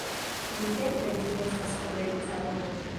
Nuntempe ĝi estas komerca domo.